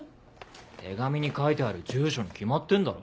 手紙に書いてある住所に決まってんだろ。